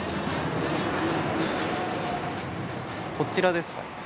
こちらですか。